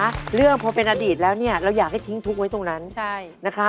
พอเป็นในเรื่องพอเป็นอดีตแล้วเราอยากทิ้งทุกค์ไว้ตรงนั้น